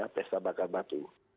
pesta bakar batu